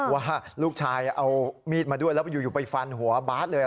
ว่าลูกชายเอามีดมาด้วยแล้วอยู่ไปฟันหัวบาสเลย